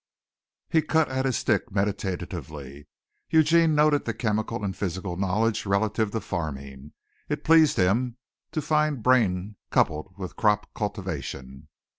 He cut at his stick meditatively. Eugene noted the chemical and physical knowledge relative to farming. It pleased him to find brain coupled with crop cultivation.